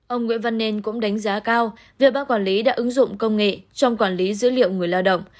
ông nguyễn văn nên cũng đánh giá cao việc bác quản lý đã ứng dụng công nghệ trong quản lý dữ liệu người lao động